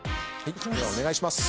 ではお願いします。